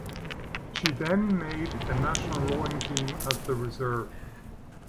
She then made the national rowing team as the reserve.